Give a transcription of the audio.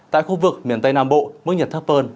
tại khu vực miền tây nam bộ mức nhiệt thấp hơn